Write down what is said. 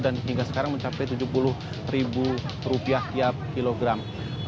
dan hingga sekarang mencapai rp tujuh puluh tiap kilogram